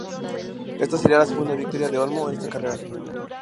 Ésta sería la segunda victoria de Olmo en esta carrera.